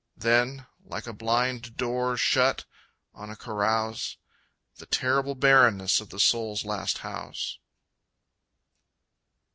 Then, like a blind door shut on a carouse, The terrible bareness of the soul's last house.